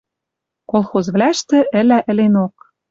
Колхозвлӓштӹ ӹлӓ ӹленок...